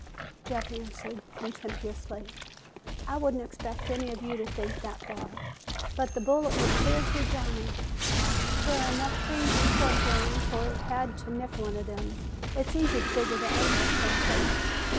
Jeff answered contemptuously, "I wouldn't expect any of you to think that far, but the bullet went clear through Johnny. There are enough trees and shrubs around so that it had to nick one of them. It's easy to figure the angle it came from."